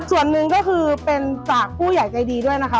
ส่วนหนึ่งก็คือเป็นจากผู้ใหญ่ใจดีด้วยนะคะ